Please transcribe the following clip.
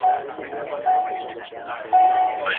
خدای ادم ته د ټولو څيزونو نومونه ور وښودل.